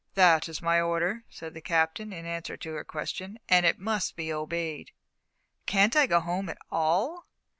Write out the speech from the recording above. "That is my order," said the Captain, in answer to her question, "and it must be obeyed." "Can't I go home at all?"